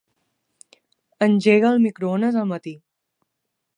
Engega el microones al matí.